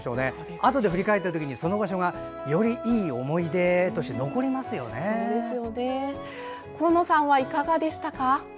あとで振り返ったときにその場所がよりいい思い出として神野さんはいかがでしたか。